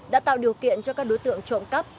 đã tạo điều kiện cho các đối tượng trộm cắp